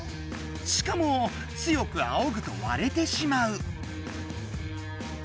しかも強くあおぐとわれてしまう。